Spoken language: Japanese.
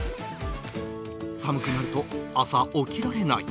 寒くなると朝、起きられない。